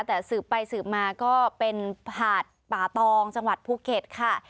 แต่สืบไปสืบมาก็เป็นหาดป่าตองจังหวัดภูเก็ตค่ะ